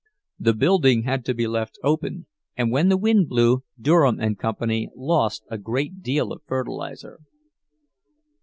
The building had to be left open, and when the wind blew Durham and Company lost a great deal of fertilizer.